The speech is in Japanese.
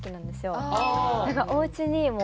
おうちにもう。